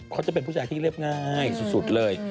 เขาจะเป็นผู้ชายที่เรียบง่ายสุดเลย